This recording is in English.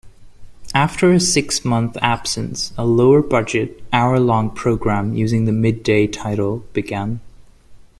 After a six-month absence, a lower-budget hour-long program using the "Midday" title began.